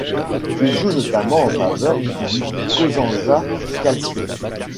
Il joue notamment en faveur du Cosenza Calcio.